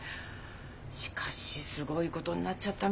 しかしすごいことになっちゃったみたいね。